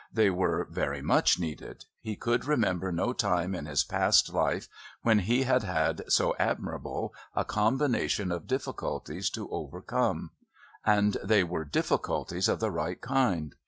They were very much needed. He could remember no time in his past life when he had had so admirable a combination of difficulties to overcome. And they were difficulties of the right kind.